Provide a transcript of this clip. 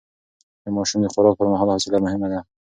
د ماشوم د خوراک پر مهال حوصله مهمه ده.